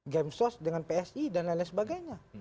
gemsos dengan psi dan lain lain sebagainya